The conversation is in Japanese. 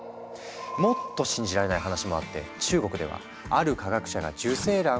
もっと信じられない話もあって中国ではある科学者が受精卵をゲノム編集。